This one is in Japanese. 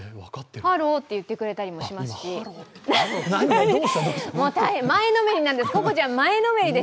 ハローって言ってくれたりしますし、前のめりなんです、ココちゃん。